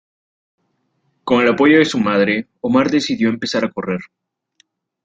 Con el apoyo de su madre, Omar decidió empezar a correr.